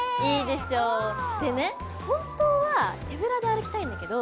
でね本当は手ぶらで歩きたいんだけど。